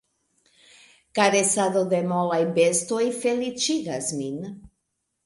Karesado de molaj bestoj feliĉigas min.